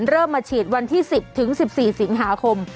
เริ่มมาฉีดวันที่๑๐ถึง๑๔สิงหาคม